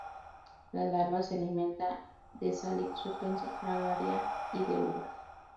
La larva se alimenta de "Salix repens", "Fragaria" y de uvas.